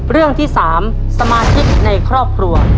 เรื่องที่๓สมาชิกในครอบครัว